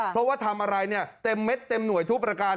เพราะว่าทำอะไรเนี่ยเต็มเม็ดเต็มหน่วยทุกประการ